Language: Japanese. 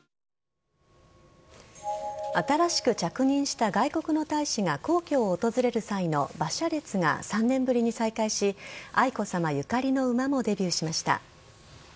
新しく着任した外国の大使が皇居を訪れる際の馬車列が３年ぶりに再開し愛子さまゆかりの馬もデビューしました。